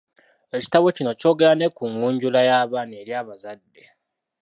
Ekitabo kino kyogera ne kungunjula y'abaana eri abazadde.